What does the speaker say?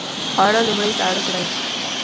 خواړه لومړی ساړه کړئ.